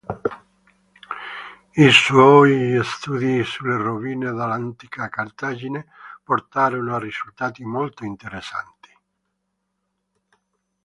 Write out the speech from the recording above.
I suoi studi sulle rovine dell'antica Cartagine portarono a risultati molto interessanti.